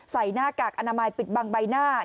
หน้ากากอนามัยปิดบังใบหน้า